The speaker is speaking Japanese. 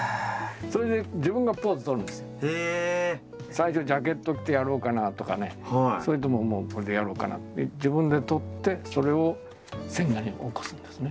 最初ジャケットを着てやろうかなとかねそれとももうこれでやろうかなって自分で撮ってそれを線画に起こすんですね。